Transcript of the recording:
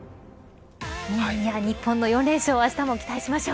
日本の４連勝あしたも期待しましょう。